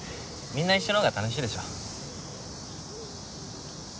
みんな一緒のほうが楽しいでしょ。